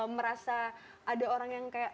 merasa ada orang yang kayak